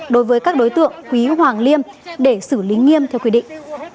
đối với các đối tượng quý hoàng liêm để xử lý nghiêm theo quy định